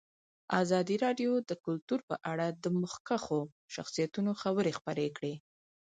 ازادي راډیو د کلتور په اړه د مخکښو شخصیتونو خبرې خپرې کړي.